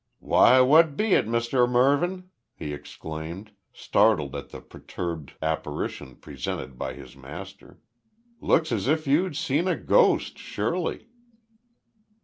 "Why, what be it, Mus' Mervyn?" he exclaimed, startled at the perturbed apparition presented by his master. "Look as if you'd seed a ghoast, sure ly."